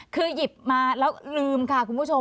คือหยิบมาแล้วลืมค่ะคุณผู้ชม